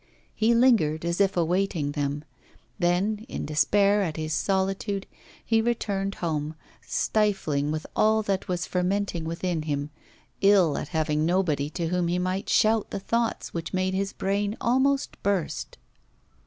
He lingered as if awaiting them; then, in despair at his solitude, he returned home, stifling with all that was fermenting within him, ill at having nobody to whom he might shout the thoughts which made his brain almost burst.